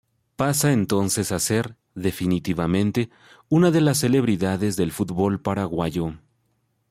Pasa entonces a ser, definitivamente, una de las celebridades del fútbol paraguayo.